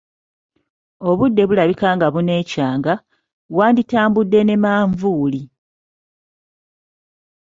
Obudde bulabika nga obuneecanga, wanditambudde ne manvuuli.